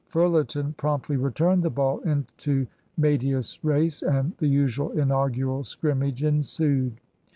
Fullerton promptly returned the ball into medias res, and the usual inaugural scrimmage ensued.